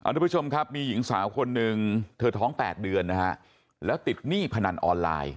ทุกผู้ชมครับมีหญิงสาวคนหนึ่งเธอท้อง๘เดือนนะฮะแล้วติดหนี้พนันออนไลน์